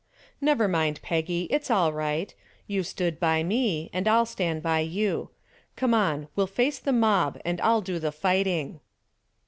"Never mind, Peggy, it's all right. You stood by me and I'll stand by you. Come on; we'll face the mob and I'll do the fighting."